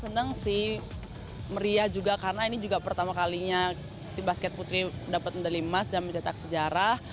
senang sih meriah juga karena ini juga pertama kalinya tim basket putri dapat medali emas dan mencetak sejarah